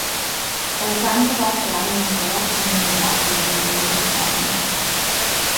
En San Sebastián de los Reyes, Comunidad de Madrid España.